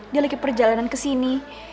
dia lagi perjalanan kesini